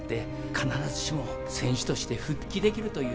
必ずしも選手として復帰できるという